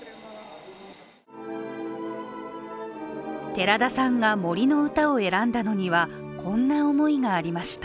寺田さんが「森の詩」を選んだのにはこんな思いがありました。